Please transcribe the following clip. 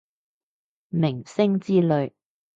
明星之類